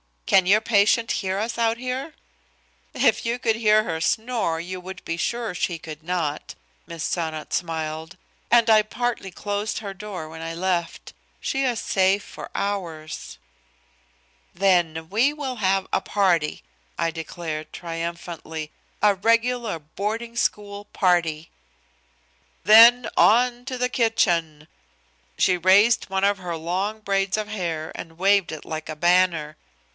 "Can your patient hear us out here?" "If you could hear her snore you would be sure she could not," Miss Sonnot smiled. "And I partly closed her door when I left. She is safe for hours." "Then we will have a party," I declared triumphantly, "a regular boarding school party." "Then on to the kitchen!" She raised one of her long braids of hair and waved it like a banner.